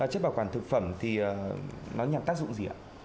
chất bảo quản thực phẩm thì nó nhằm tác dụng gì ạ